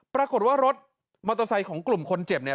ปรากฏว่ารถมอเตอร์ไซค์ของกลุ่มคนเจ็บเนี่ย